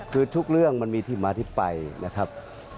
คือทุกเรื่องมันมีที่มาที่ไปนะครับ